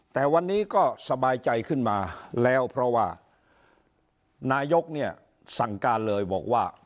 แต่วันนี้ก็สบายใจขึ้นมาแล้วเพราะว่านายกเนี่ยสั่งการเลยบอกว่า